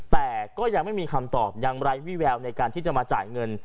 แต่ก็ยังไม่มีคำตอบยังไร้วิแววในการที่จะมาจ่ายเงิน